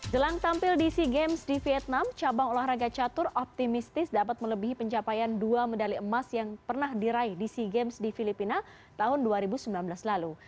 jelang tampil di sea games di vietnam cabang olahraga catur optimistis dapat melebihi pencapaian dua medali emas yang pernah diraih di sea games di filipina tahun dua ribu sembilan belas lalu